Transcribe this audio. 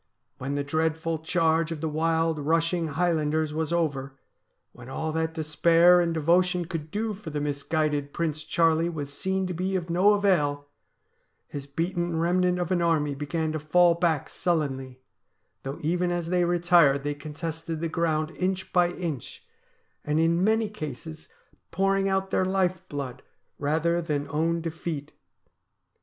When the dreadful charge of the wild, rushing Highlanders was over, when all that despair and devotion could do for the misguided Prince Charlie was seen to be ol no avail, his beaten remnant of an army began to fall back sullenly, though even as they retired they contested the ground inch by inch, and in many cases pouring out their life blooc rather than own defeat.